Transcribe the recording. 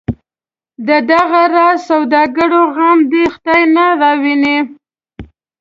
د دغه راز سوداګرو غم دی خدای نه راوویني.